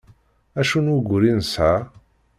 Acu n wugur i nesɛa?